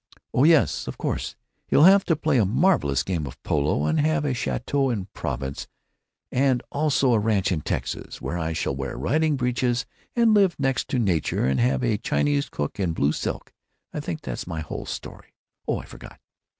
Oh yes, of course, he'll have to play a marvelous game of polo and have a château in Provençe and also a ranch in Texas, where I shall wear riding breeches and live next to Nature and have a Chinese cook in blue silk. I think that's my whole history. Oh, I forgot.